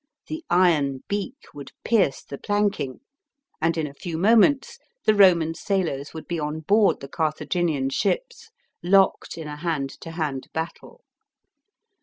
The iron beak would pierce the planking, and in a few moments the Roman sailors would be on board the Carthaginian ships locked in a hand to hand battle.